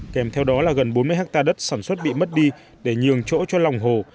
kèm theo đó là gần bốn mươi hectare đất sản xuất bị mất đi để nhường chỗ cho lòng hồ